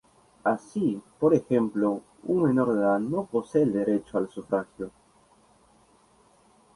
Así, por ejemplo, un menor de edad no posee el derecho al sufragio.